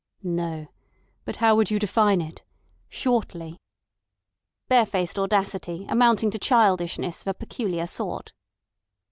"No! But how would you define it? Shortly?" "Barefaced audacity amounting to childishness of a peculiar sort."